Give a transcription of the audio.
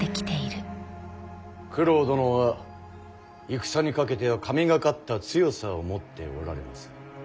九郎殿は戦にかけては神がかった強さを持っておられます。